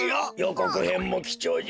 こくへんもきちょうじゃ。